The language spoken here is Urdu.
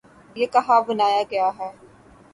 یہ کہاں بنایا گیا ہے؟